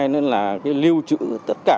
nữa là lưu chữ tất cả